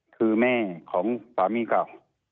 คือแม่ของความิ้งเขา